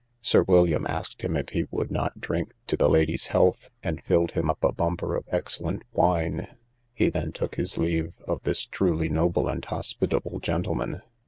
Sir William asked him if he would not drink to the ladies' health? and filled him up a bumper of excellent wine; he then took his leave of this truly noble and hospitable gentleman.